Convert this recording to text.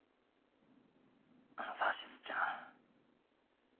あのさしずちゃん。